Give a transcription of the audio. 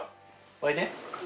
おいで。